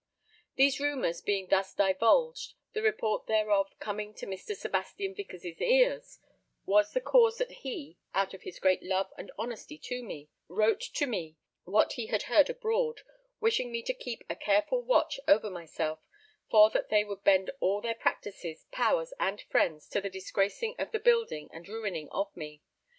These rumours being thus divulged, the report thereof coming to Mr. Sebastian Vicars' ears was the cause that he, out of his great love and honesty to me, wrote to me what he heard abroad, wishing me to keep a careful watch over myself, for that they would bend all their practices, powers and friends, to the disgracing of the building and ruining of me.